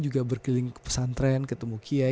juga berkeliling ke pesantren ketemu kiai